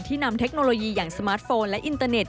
นำเทคโนโลยีอย่างสมาร์ทโฟนและอินเตอร์เน็ต